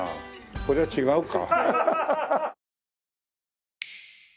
これは違うか。